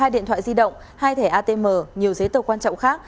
hai điện thoại di động hai thẻ atm nhiều giấy tờ quan trọng khác